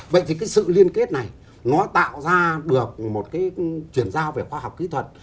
vậy thì cái sự liên kết này nó tạo ra được một cái chuyển giao về khoa học kỹ thuật